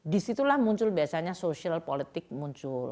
disitulah muncul biasanya social politik muncul